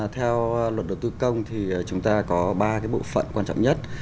theo luật đầu tư công thì chúng ta có ba bộ phận quan trọng nhất